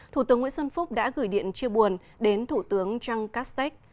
thủ tướng nguyễn xuân phúc đã gửi điện chia buồn đến thủ tướng jean castex